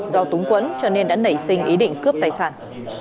do túng quẫn cho nên đã nảy sinh ý định cướp tài sản